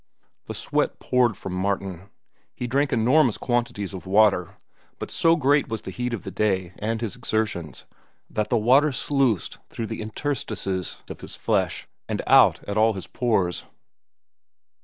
The sweat poured from Martin. He drank enormous quantities of water, but so great was the heat of the day and of his exertions, that the water sluiced through the interstices of his flesh and out at all his pores.